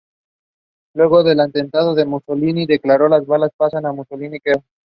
Luego del atentado Mussolini declaró: "Las balas pasan, Mussolini queda".